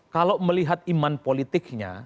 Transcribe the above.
kalau melihat iman politiknya